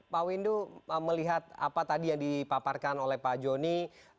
pak windu melihat apa tadi yang dipaparkan oleh pak joni